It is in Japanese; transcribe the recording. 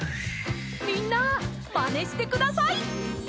みんなまねしてください！